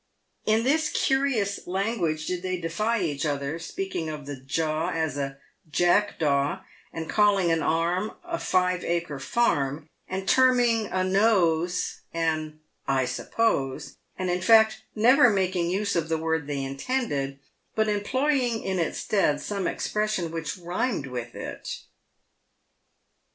In this curious language did they defy each other, speaking of the jaw as a "jackdaw," calling an arm a "five acre farm," and terming a nose an "I suppose," and in fact never making use of the word they intended, but employing in its stead some expression which rhymed with it.